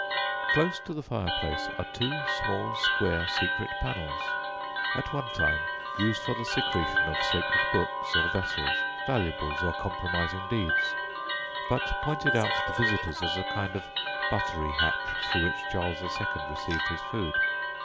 Close to the fireplace are two small, square secret panels, at one time used for the secretion of sacred books or vessels, valuables or compromising deeds, but pointed out to visitors as a kind of buttery hatch through which Charles II. received his food.